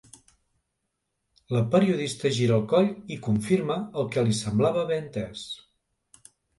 La periodista gira el coll i confirma el que li semblava haver entès.